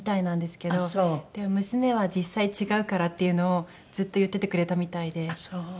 でも娘は実際違うからっていうのをずっと言っててくれたみたいで。